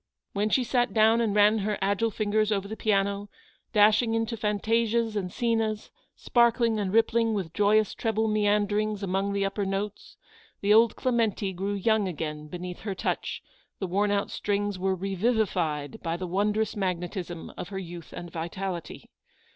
When she sat down and ran her agile fingers over the piano, dashing into fantasias and scenas, spark ling and rippling with joyous treble meanderings MRS. BANNISTER HOLDS OUT A HELPING HAND. 203 among the upper notes, the old Clementi grew young again beneath her touch, the worn out strings were revivified by the wondrous mag netism of her youth and vitality.